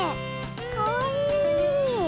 かわいい。